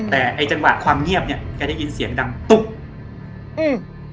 แต่ไอ้จังหวะความเงียบเนี้ยแกได้ยินเสียงดังตุ๊บอืม